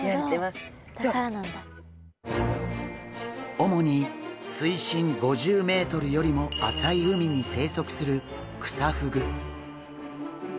主に水深５０ｍよりも浅い海に生息するクサフグ。